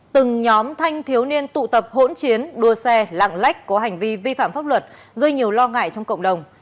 từng nhóm thanh thiếu niên tụ tập hỗn chiến đua xe lạng lách có hành vi vi phạm pháp luật gây nhiều lo ngại trong cộng đồng